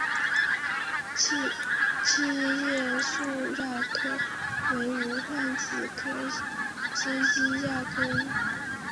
七叶树亚科为无患子科下之一亚科。